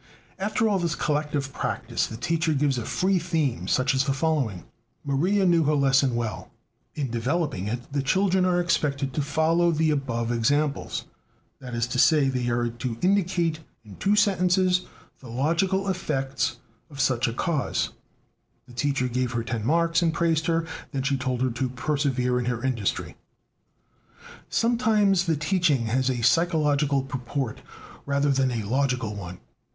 "After all this collective practise the teacher gives a free theme such as the following: 'Maria knew her lesson well.' In developing it, the children are expected to follow the above examples: that is to say, they are to indicate in two sentences the logical effects of such a cause (the teacher gave her ten marks and praised her; then she told her to persevere in her industry)." Sometimes the teaching has a psychological purport rather than a logical one.